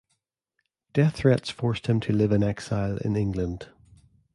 Death threats forced him to live in exile in England.